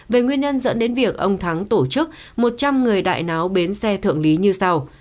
về nguyên nhân dẫn đến việc ông thắng tổ chức một trăm linh người đại náo bến xe thượng lý như sau